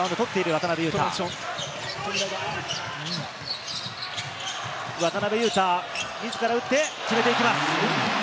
渡邊雄太、自ら打って決めていきます。